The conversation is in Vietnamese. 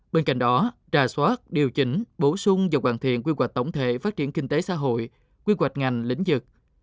bên cạnh đó trà soát điều chỉnh bổ sung và hoàn thiện quy hoạch tổng thể phát triển kinh tế xã hội quy hoạch ngành lĩnh vực